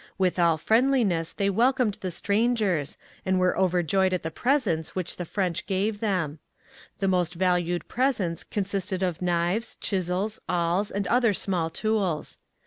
With all friendliness they welcomed the strangers and were overjoyed at the presents which the French gave them. The most valued presents consisted of knives, chisels, awls, and other small tools.